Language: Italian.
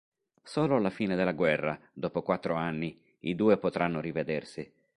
Solo alla fine della guerra, dopo quattro anni, i due potranno rivedersi.